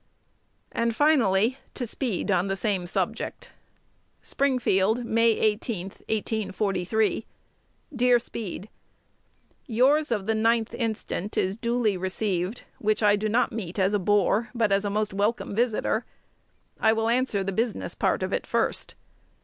And finally to Speed on the same subject: Springfield, May 18, 1843. Dear Speed, Yours of the 9th inst. is duly received, which I do not meet as a "bore," but as a most welcome visitor. I will answer the business part of it first.